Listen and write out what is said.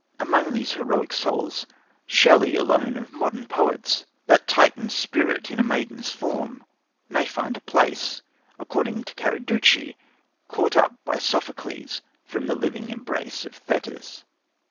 Among these heroic souls Shelley alone of modern poets that Titan spirit in a maiden's form may find a place, according to Carducci, caught up by Sophocles from the living embrace of Thetis.